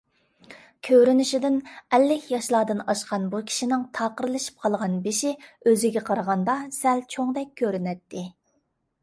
كۆرۈنۈشىدىن ئەللىك ياشلاردىن ئاشقان بۇ كىشىنىڭ تاقىرلىشىپ قالغان بېشى ئۆزىگە قارىغاندا سەل چوڭدەك كۆرۈنەتتى.